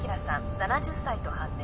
７０歳と判明